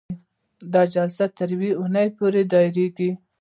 دا جلسه تر یوې اونۍ پورې دایریږي.